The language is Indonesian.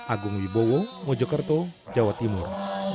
agung wibowo mojokerto jawa timur